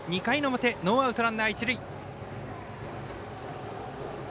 ２回の表ノーアウト、ランナー、一塁。